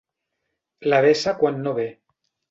La vessa quan no ve.